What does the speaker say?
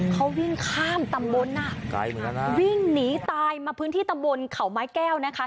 เขาวิ่งข้ามตำบลน่ะวิ่งหนีตายมาพื้นที่ตำบลเข่าไม้แก้วนะคะ